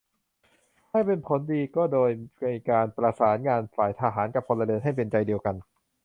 ให้เป็นผลดีก็โดยมีการประสานงานฝ่ายทหารกับพลเรือนให้เป็นใจเดียวกัน